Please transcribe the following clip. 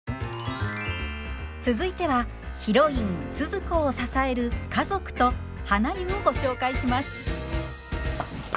続いてはヒロインスズ子を支える家族とはな湯をご紹介します。